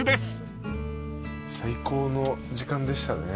最高の時間でしたね。